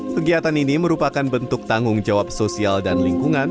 kegiatan ini merupakan bentuk tanggung jawab sosial dan lingkungan